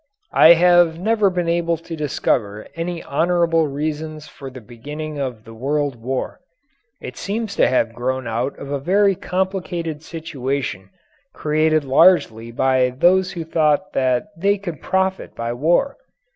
I have never been able to discover any honourable reasons for the beginning of the World War. It seems to have grown out of a very complicated situation created largely by those who thought they could profit by war.